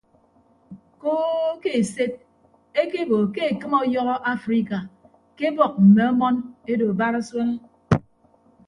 Koo ke esed ekebo ke ekịm ọyọhọ afrika ke ebọk mme ọmọn edo barasuen.